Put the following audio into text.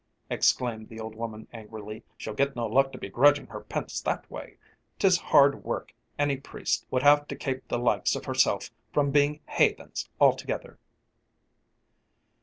exclaimed the old woman angrily; "she'll get no luck to be grudging her pince that way. 'Tis hard work anny priest would have to kape the likes of hersilf from being haythens altogether."